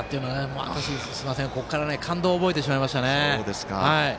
私、ここから感動を覚えてしまいましたね。